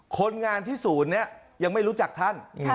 คนงานที่ศูนย์นี้ยังไม่รู้จักท่าน